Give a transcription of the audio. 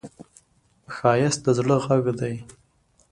ښایست د زړه غږ دی